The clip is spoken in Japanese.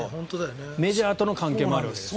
メジャーとの関係もあるわけですね。